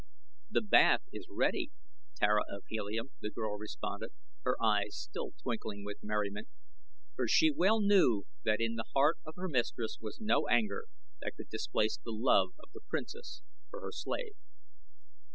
"The bath is ready, Tara of Helium," the girl responded, her eyes still twinkling with merriment, for she well knew that in the heart of her mistress was no anger that could displace the love of the princess for her slave.